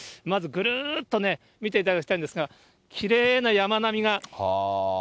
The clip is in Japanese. まずぐるーっと見ていただきたいんですが、きれいな山並みが。